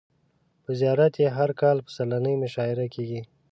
په زیارت یې هر کال پسرلنۍ مشاعر کیږي.